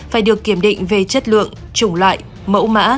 phải được kiểm định về chất lượng chủng loại mẫu mã